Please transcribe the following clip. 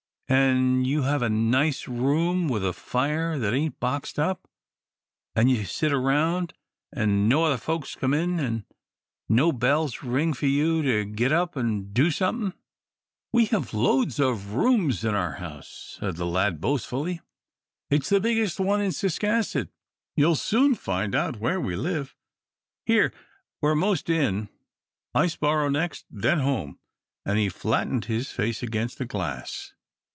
"An' you have a nice room with a fire that ain't boxed up, an' you sit round, an' no other folks come in, an' no bells ring for you to get up and do somethin'?" "We have loads of rooms in our house," said the lad, boastfully. "It's the biggest one in Ciscasset. You'll soon find out where we live. Here we are most in Iceboro next, then home," and he flattened his face against the glass.